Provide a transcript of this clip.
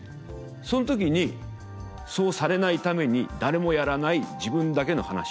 そん時にそうされないために誰もやらない自分だけの噺をこさえて。